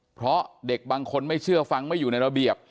เพราะเด็กบางคนไม่เชื่อฟังไม่อยู่ในระเบียบ